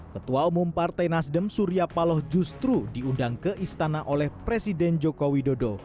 ketua umum partai nasdem surya paloh justru diundang ke istana oleh presiden joko widodo